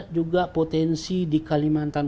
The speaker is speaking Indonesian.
juga potensi di kalimantan